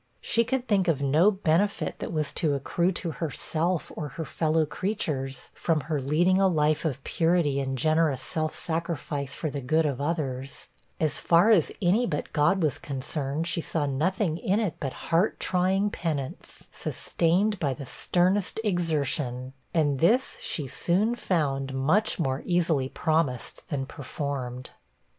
She could think of no benefit that was to accrue to herself or her fellow creatures, from her leading a life of purity and generous self sacrifice for the good of others; as far as any but God was concerned, she saw nothing in it but heart trying penance, sustained by the sternest exertion; and this she soon found much more easily promised than performed.